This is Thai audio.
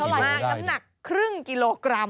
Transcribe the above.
มากน้ำหนักครึ่งกิโลกรัม